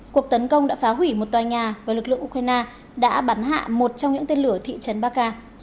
cuộc tấn công đã phá hủy một tòa nhà và lực lượng ukraine đã bắn hạ một trong những tên lửa thị trấn baka